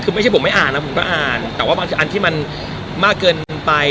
คือไม่ใช่ผมไม่อ่านนะผมก็อ่านแต่ว่าบางทีอันที่มันมากเกินไป